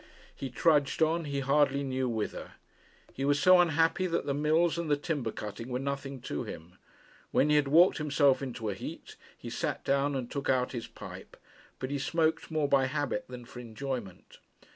He trudged on, he hardly knew whither. He was so unhappy, that the mills and the timber cutting were nothing to him. When he had walked himself into a heat, he sat down and took out his pipe, but he smoked more by habit than for enjoyment.